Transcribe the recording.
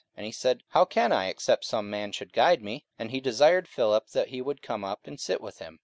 44:008:031 And he said, How can I, except some man should guide me? And he desired Philip that he would come up and sit with him.